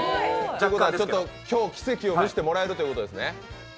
今日、奇跡を見せてもらえるということですね。